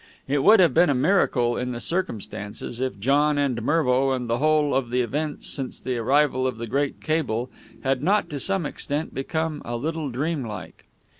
It would have been a miracle in the circumstances, if John and Mervo and the whole of the events since the arrival of the great cable had not to some extent become a little dream like.